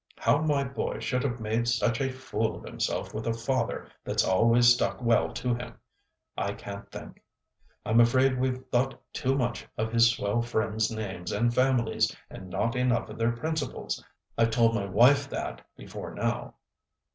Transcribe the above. How my boy should have made such a fool of himself with a father that's always stuck well to him, I can't think. I'm afraid we've thought too much of his swell friends' names and families, and not enough of their principles. I've told my wife that before now."